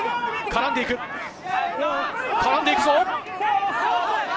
絡んで行くぞ。